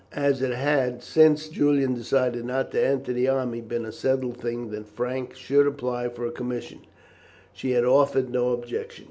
As it had, since Julian decided not to enter the army, been a settled thing that Frank should apply for a commission, she had offered no objection.